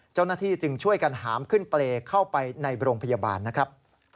เจ้าหน้าที่จึงช่วยกันหามขึ้นเปรย์เข้าไปในโรงพยาบาลนะครับ